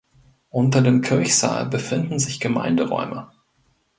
Unter dem Kirchsaal befinden sich Gemeinderäume.